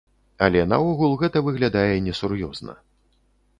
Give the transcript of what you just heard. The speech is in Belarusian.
Але наогул, гэта выглядае несур'ёзна.